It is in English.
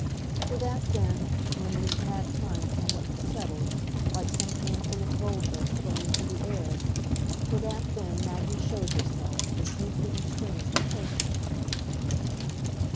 For that then, when it had had time somewhat to settle, like some handful of gold dust thrown into the air for that then Maggie showed herself, as deeply and strangely taking it.